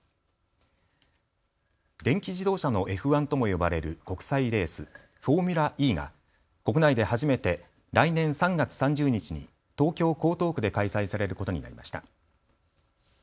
電気自動車のＦ１とも呼ばれる国際レース、フォーミュラＥが国内で初めて来年３月３０日に東京江東区で開催されることになりました。